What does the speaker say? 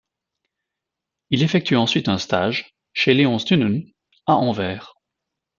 Il effectue ensuite un stage chez Léon Stynen à Anvers.